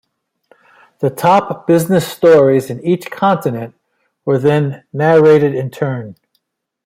The top business stories in each continent were then narrated in turn.